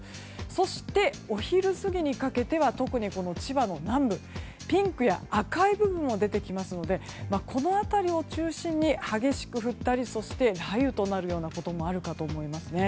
そしてお昼過ぎにかけては特に千葉の南部ピンクや赤い部分も出てきますのでこの辺りを中心に激しく降ったりそして雷雨となるようなこともあるかと思いますね。